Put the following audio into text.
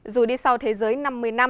dù đi sau thế giới năm mươi năm